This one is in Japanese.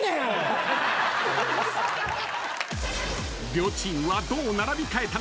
［両チームはどう並び替えたのか？］